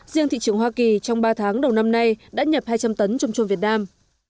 riêng thị trường hoa kỳ trong ba tháng đầu năm nay đã nhập hai trăm linh tấn trôm trôm việt nam